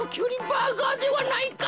バーガーではないか。